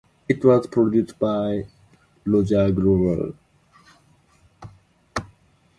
It was produced by Roger Glover.